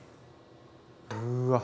うわ！